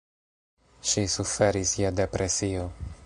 Ŝi suferis je depresio.